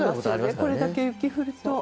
これだけ雪が降ると。